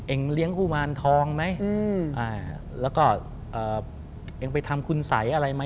เองเลี้ยงอุมารทองไหม